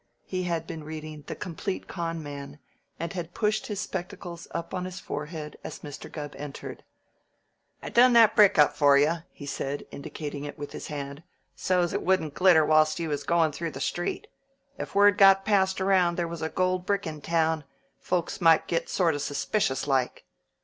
He had been reading the "Complete Con' Man," and had pushed his spectacles up on his forehead as Mr. Gubb entered. "I done that brick up for you," he said, indicating it with his hand, "so's it wouldn't glitter whilst you was goin' through the street. If word got passed around there was a gold brick in town, folks might sort of get suspicious like.